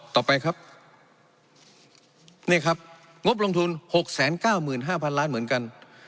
ต่อไปครับนี่ครับงบลงทุนหกแสนเก้าหมื่นห้าพันล้านเหมือนกัน